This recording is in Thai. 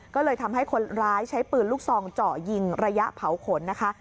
ก็เลยทำให้คนร้ายใช้ปืนลูกซองเจาะยิงระยะเผาขนนะคะ